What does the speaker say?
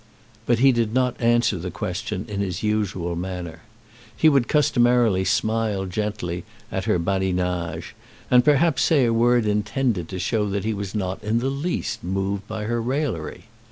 But he did not answer the question in his usual manner. He would customarily smile gently at her badinage, and perhaps say a word intended to show that he was not in the least moved by her raillery.